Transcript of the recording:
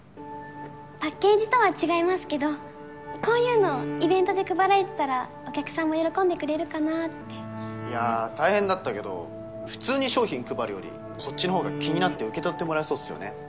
パッケージとは違いますけどこういうのイベントで配られてたらお客さんも喜んでくれるかなっていや大変だったけど普通に商品配るよりこっちの方が気になって受け取ってもらえそうっすよね